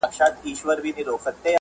د پاچا خان نه نور خلک چاپیر شوي وو